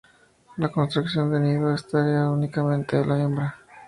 La construcción de nido es tarea únicamente de la hembra.